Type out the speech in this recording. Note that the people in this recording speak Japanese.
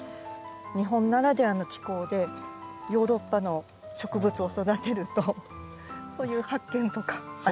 日本ならではの気候でヨーロッパの植物を育てるとそういう発見とかあります。